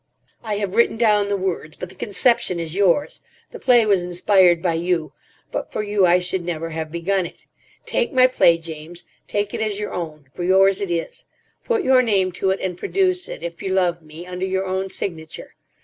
I have written down the words. But the conception is yours. The play was inspired by you. But for you I should never have begun it. Take my play, James; take it as your own. For yours it is. Put your name to it, and produce it, if you love me, under your own signature.